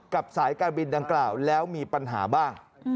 สายการบินดังกล่าวแล้วมีปัญหาบ้าง